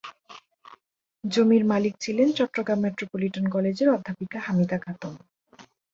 জমির মালিক ছিলেন চট্টগ্রাম মেট্রোপলিটন কলেজের অধ্যাপিকা হামিদা খাতুন।